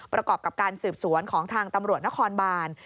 ประกอบกับการสืบสวนของทางตำรวจนครบาน